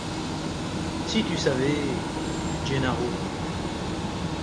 Si tu savais… — Gennaro !